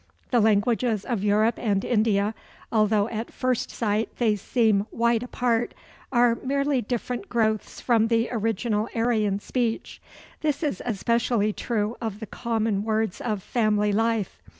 The languages of Europe and India, although at first sight they seem wide apart, are merely different growths from the original Aryan speech. This is especially true of the common words of family life.